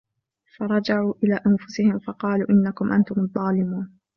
فَرَجَعُوا إِلَى أَنْفُسِهِمْ فَقَالُوا إِنَّكُمْ أَنْتُمُ الظَّالِمُونَ